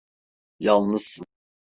Yalnızsın.